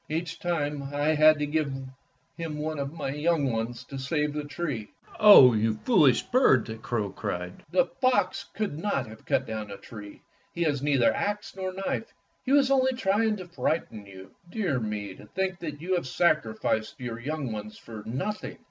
Each time I had to give him one of my young ones to save the tree." "Oh, you foolish bird!" the crow cried; "the fox could not have cut down the tree. He has neither axe nor knife. He was only trying to frighten you. Dear me, to think that you have sacrificed your young ones for nothing!